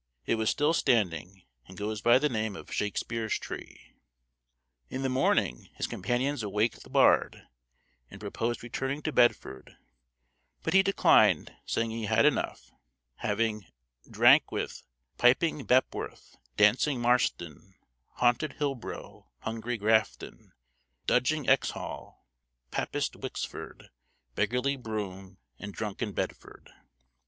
It was still standing, and goes by the name of Shakespeare's tree. In the morning his companions awaked the bard, and proposed returning to Bedford, but he declined, saying he had enough, having drank with Piping Pebworth, Dancing Marston, Haunted Hilbro', Hungry Grafton, Dudging Exhall, Papist Wicksford, Beggarly Broom, and Drunken Bedford.